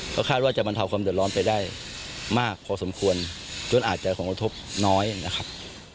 ก็คาดว่าจะบรรเทาความเดือดร้อนไปได้มากพอสมควรจนอาจจะของกระทบน้อยนะครับ